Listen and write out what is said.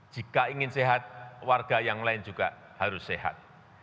jika ingin sehat warga yang lain juga harus sehat